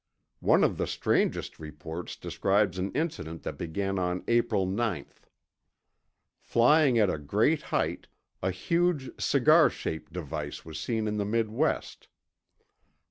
One of the strangest reports describes an incident that began on April 9. Flying at a great height, a huge cigar shaped device was seen in the Midwest.